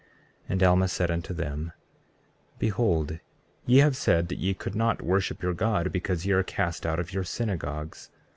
33:2 And Alma said unto them: Behold, ye have said that ye could not worship your God because ye are cast out of your synagogues.